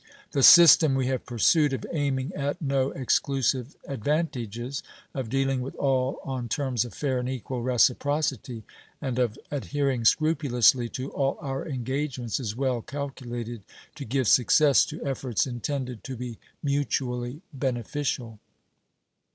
The system we have pursued of aiming at no exclusive advantages, of dealing with all on terms of fair and equal reciprocity, and of adhering scrupulously to all our engagements is well calculated to give success to efforts intended to be mutually beneficial.